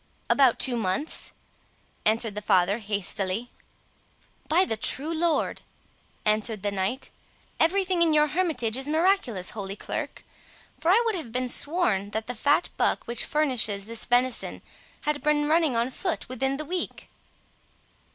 "About two months," answered the father hastily. "By the true Lord," answered the knight, "every thing in your hermitage is miraculous, Holy Clerk! for I would have been sworn that the fat buck which furnished this venison had been running on foot within the week."